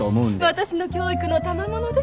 私の教育のたまものです。